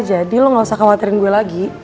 jadi lu gak usah khawatirin gue lagi